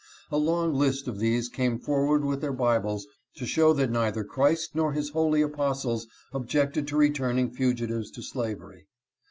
A long list of these came forward with their Bibles to show that neither Christ nor his holy apostles objected to returning fugitives to slavery.